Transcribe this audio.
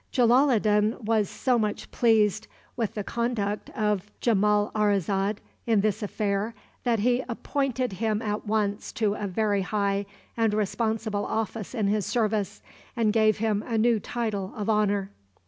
Jalaloddin was so much pleased with the conduct of Jamalarrazad in this affair that he appointed him at once to a very high and responsible office in his service, and gave him a new title of honor.